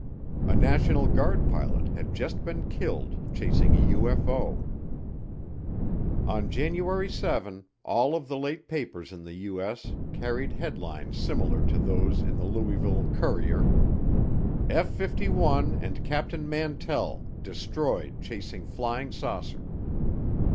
A National Guard pilot had just been killed chasing a UFO. On January 7 all of the late papers in the U.S. carried headlines similar to those in the Louisville Courier: "F 51 and Capt. Mantell Destroyed Chasing Flying Saucer."